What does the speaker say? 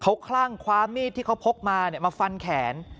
เขาคลั่งคว้ามีดที่เขาพกมามาฟันแขน